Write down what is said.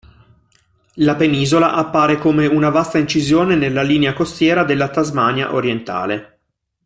La penisola appare come una vasta incisione nella linea costiera della Tasmania orientale.